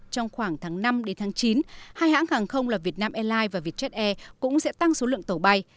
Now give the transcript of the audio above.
trong khoảng tháng năm đến tháng chín hai hãng hàng không là việt nam airlines và vietjet air cũng sẽ tăng số lượng tàu bay